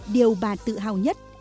điều bà tự hào nhất